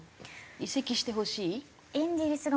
移籍してほしい？